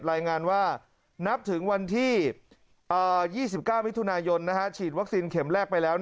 รายงานว่านับถึงวันที่๒๙มิถุนายนฉีดวัคซีนเข็มแรกไปแล้ว